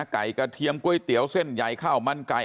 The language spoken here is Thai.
กระเทียมก๋วยเตี๋ยวเส้นใหญ่ข้าวมันไก่